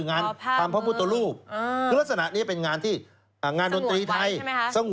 งานทำภาพมูตรรูปคือลักษณะนี้เป็นงานที่งานดนตรีไทยสงวนไว้ใช่ไหมคะ